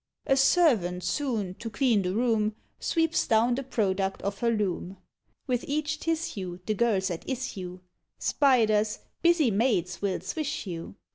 A servant soon, to clean the room, Sweeps down the product of her loom. With each tissue the girl's at issue: Spiders, busy maids will swish you!